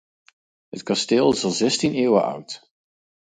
Het kasteel is al zestien eeuwen oud.